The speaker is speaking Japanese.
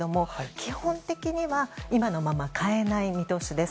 基本的には今のまま変えない見通しです。